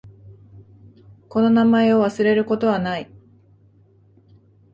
この名前を忘れることはない。